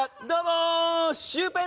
どうもー！